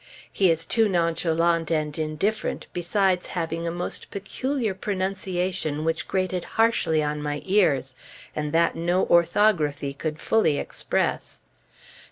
He is too nonchalant and indifferent, besides having a most peculiar pronunciation which grated harshly on my ears, and that no orthography could fully express.